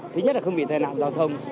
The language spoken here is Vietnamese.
thứ nhất là không bị tai nạn giao thông